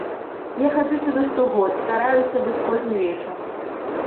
Я хаджу сюды штогод, стараюся быць кожны вечар.